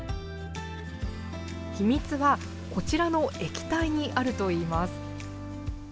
秘密はこちらの液体にあるといいます。